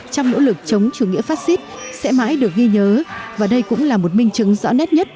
trong nỗ lực chống chủ nghĩa phát xít sẽ mãi được ghi nhớ và đây cũng là một minh chứng rõ nét nhất